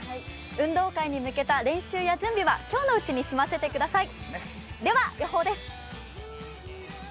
運動会に向けた練習や準備は今日のうちに済ませてください。